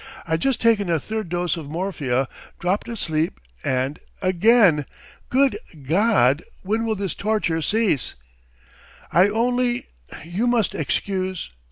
"I'd just taken a third dose of morphia, dropped asleep, and ... again! Good God! when will this torture cease!" "I only ... you must excuse ..."